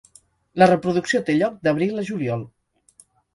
La reproducció té lloc d'abril a juliol.